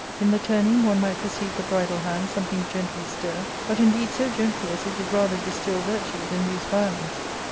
In the turning, one might perceive the bridle hand something gently stir ; but, indeed, so gently as it did rather distil virtue than use violence.